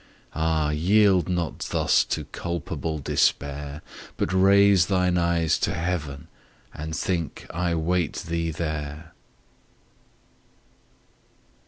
Ah! yield not thus to culpable despair, But raise thine eyes to Heaven and think I wait thee there.'